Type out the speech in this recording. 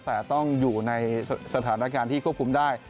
แต่ต้องอยู่ในสถานการณ์ที่ควบคุมได้